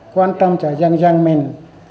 quan trọng cho dân dân mình